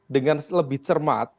dengan lebih cermat